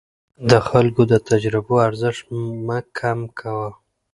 د خلکو د تجربو ارزښت مه کم کوه.